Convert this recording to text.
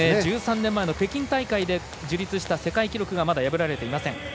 １３年前の北京大会で樹立した世界記録がまだ破られていません。